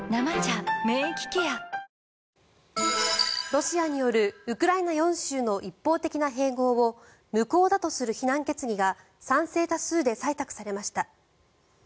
ロシアによるウクライナ４州の一方的な併合を無効だとする非難決議が賛成多数で採択されました。